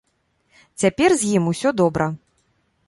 Цяпер з ім усё добра.